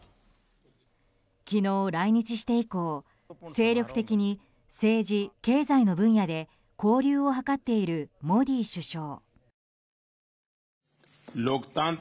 昨日、来日して以降精力的に政治、経済の分野で交流を図っているモディ首相。